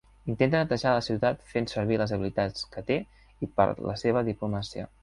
Intenta netejar la ciutat fent servir les habilitats que té i per la seva diplomàcia.